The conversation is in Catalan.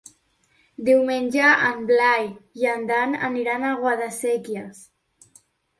Diumenge en Blai i en Dan aniran a Guadasséquies.